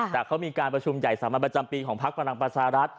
แต่เขามีการประชุมใหญ่๓ประจำปีของภักดิ์ฟรรณปัชฌาลัด